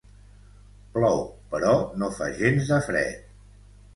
Plou, però no fa gens de fred.